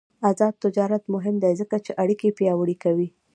آزاد تجارت مهم دی ځکه چې اړیکې پیاوړې کوي.